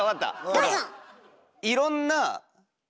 どうぞ！